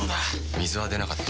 水は出なかった。